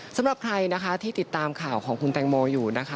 สำหรับใครนะคะที่ติดตามข่าวของคุณแตงโมอยู่นะคะ